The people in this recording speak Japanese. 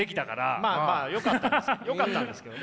まあまあよかったんですけどね。